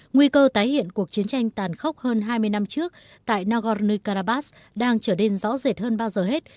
nguy cơ tái hiện cuộc chiến tranh tàn khốc hơn hai mươi năm trước tại nagorno karabakh đang trở nên rõ rệt hơn bao giờ hết